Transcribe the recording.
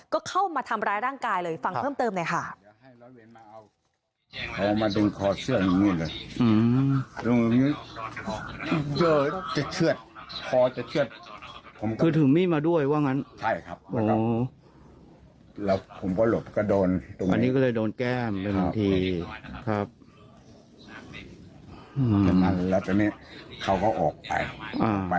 ก็เข้ามาทำร้ายร่างกายเลยฟังเพิ่มเติมหน่อยค่ะ